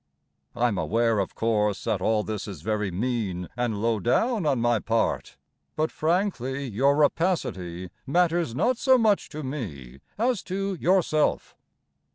I am aware, of course, That all this is very mean And low down On my part, But frankly Your rapacity Matters not so much to me As to yourself.